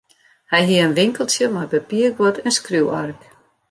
Hy hie in winkeltsje mei papierguod en skriuwark.